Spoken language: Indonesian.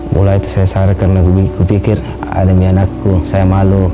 mulai itu saya sarah karena kupikir ademi anakku saya malu